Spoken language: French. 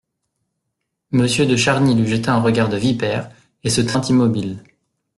Monsieur de Charny lui jeta un regard de vipère et se tint immobile.